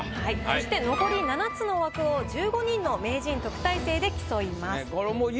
そして残り７つの枠を１５人の名人特待生で競います。